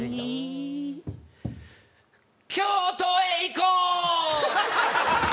京都へ行こう！